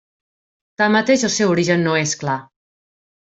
Tanmateix el seu origen no és clar.